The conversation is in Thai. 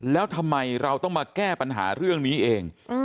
แล้วทำไมเราต้องมาแก้ปัญหาเรื่องนี้เอง